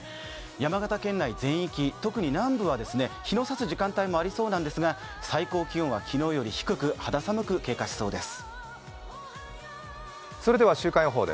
山形県内全域、特に南部は日のさす時間帯もありそうなんですが、最高気温は昨日より低く、肌寒く経過しそうです。